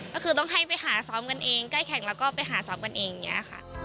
ก็คือต้องให้ไปหาซ้อมกันเองใกล้แข่งแล้วก็ไปหาซ้อมกันเองอย่างนี้ค่ะ